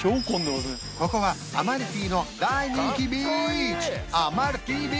ここはアマルフィの大人気ビーチ